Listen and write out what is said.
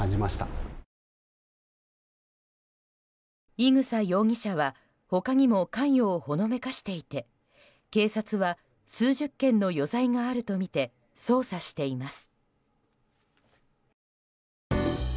伊草容疑者は他にも関与をほのめかしていて警察は数十件の余罪があるとみて捜査しています。